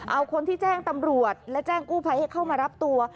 เอาคนที่แจ้งตำรวจและแจ้งกู้ภัยให้เข้ามารับตัว